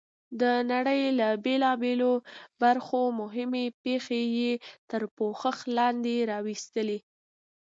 د نړۍ له بېلابېلو برخو مهمې پېښې یې تر پوښښ لاندې راوستلې.